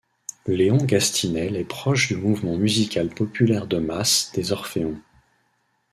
Léon Gastinel est proche du mouvement musical populaire de masses des orphéons.